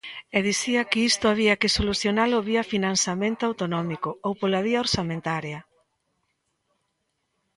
E dicía que isto había que solucionalo vía financiamento autonómico ou pola vía orzamentaria.